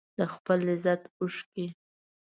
د خپل لذت اوښکې